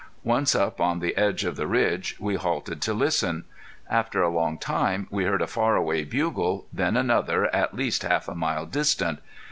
Once up on the edge of the ridge we halted to listen. After a long time we heard a far away bugle, then another at least half a mile distant.